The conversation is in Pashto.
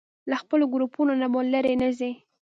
له خپلو ګروپونو نه به لرې نه ځئ.